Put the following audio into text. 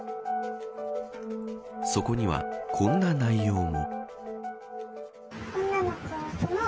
そこには、こんな内容も。